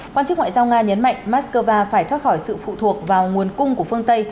quan chức ngoại giao nga nhấn mạnh moscow phải thoát khỏi sự phụ thuộc vào nguồn cung của phương tây